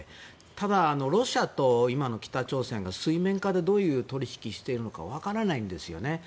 ただ、ロシアと今の北朝鮮が水面下でどういう取引をしているかわからないんですよね。